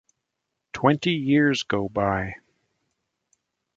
Twenty years go by.